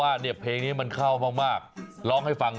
สัตว์ป่ามุ่นวาย